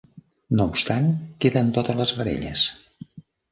No obstant, queden totes les vedelles.